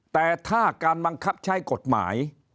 แต่ถ้าการบังคับใช้กฎหมาย